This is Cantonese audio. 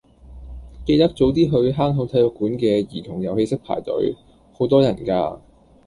記得早啲去坑口體育館嘅兒童遊戲室排隊，好多人㗎。